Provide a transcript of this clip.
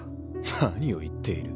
何を言っている？